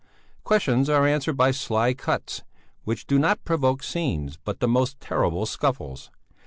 Questions are answered by sly cuts, which do not provoke scenes, but the most terrible scuffles.